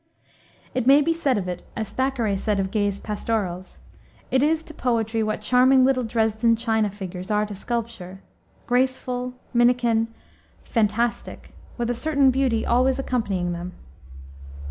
It may be said of it, as Thackeray said of Gay's pastorals: "It is to poetry what charming little Dresden china figures are to sculpture, graceful, minikin, fantastic, with a certain beauty always accompanying them."